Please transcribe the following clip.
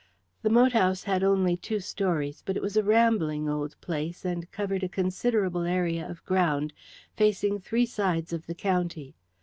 The moat house had only two stories, but it was a rambling old place and covered a considerable area of ground, facing three sides of the county.